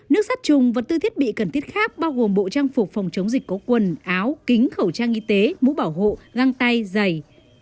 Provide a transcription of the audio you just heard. nước sát trùng vật tư thiết bị cần thiết khác bao gồm bộ trang phục phòng chống dịch có quần áo kính khẩu trang y tế mũ bảo hộ găng tay giày